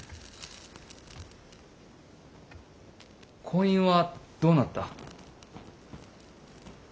婚姻はどうなった。